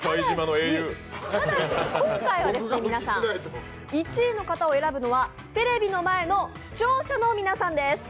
ただし、今回は１位の方を選ぶのは、テレビの前の視聴者の皆さんです。